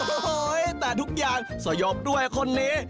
โอ้โหแต่ทุกอย่างสยบด้วยคนนี้